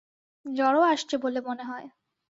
জ্বরও আসছে বলে মনে হয়।